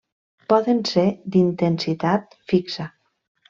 Poden ser d'intensitat fixa.